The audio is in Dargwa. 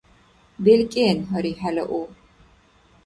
БелкӀен, гьари, хӀела у